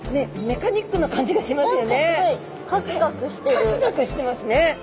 カクカクしてますね。